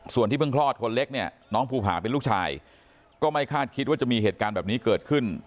ส่วนที่เพิ่งคลอดคนเล็กเนี่ยน้องภูผาเป็นลูกชายก็ไม่คาดคิดว่าจะมีเหตุการณ์แบบนี้เกิดขึ้น